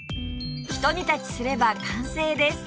ひと煮立ちすれば完成です